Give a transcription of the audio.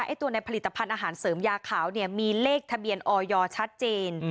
ตัวในผลิตภัณฑ์อาหารเสริมยาขาวเนี่ยมีเลขทะเบียนออยชัดเจน